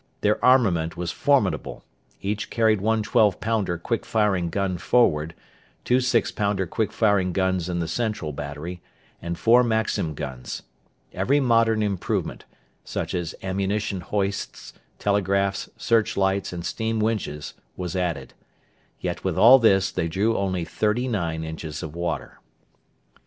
Their armament was formidable. Each carried one twelve pounder quick firing gun forward, two six pounder quick firing guns in the central battery, and four Maxim guns. Every modern improvement such as ammunition hoists, telegraphs, search lights, and steam winches was added. Yet with all this they drew only thirty nine inches of water.